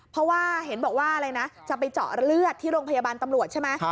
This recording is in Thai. เพราะว่าเห็นบอกว่าอะไรนะจะไปเจาะเลือดที่โรงพยาบาลตำรวจใช่ไหม